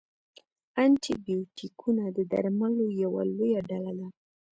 انټي بیوټیکونه د درملو یوه لویه ډله ده.